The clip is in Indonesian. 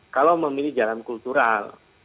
kalau memilih jalan kultural